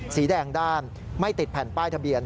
สีแดงด้านไม่ติดแผ่นป้ายทะเบียน